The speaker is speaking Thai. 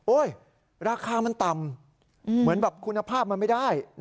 ราคามันต่ำเหมือนแบบคุณภาพมันไม่ได้